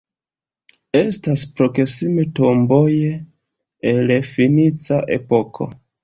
Estas proksime tomboj el fenica epoko.